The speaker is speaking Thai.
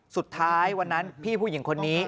สุดท้ายวันนั้นพี่ผู้หญิงคนนี้